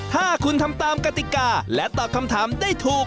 ถ้าคุณทำตามกติกาและตอบคำถามได้ถูก